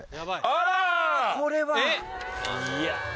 あらこれは！